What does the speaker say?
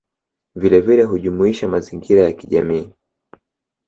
Vilevile hujumuisha mazingira ya kijamii